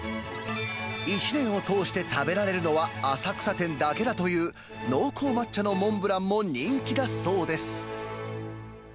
１年を通して食べられるのは、浅草店だけだという濃厚抹茶のモンブランも人気だそうです。